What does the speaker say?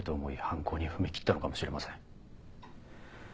犯行に踏み切ったのかもしれません。